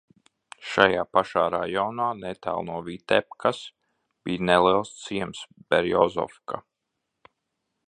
Šajā pašā rajonā, netālu no Vitebkas, bija neliels ciems – Berjozovka.